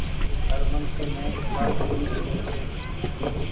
هر منک ني اولآد ڪونيٚ هووي ڇي۔